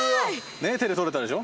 ねっ手でとれたでしょ？